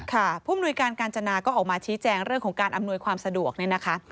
ค่ะผู้อำนวยการกาญจนาก็ออกมาชี้แจงเรื่องของการอำนวยความสะดวก